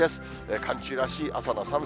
寒中らしい朝の寒さ。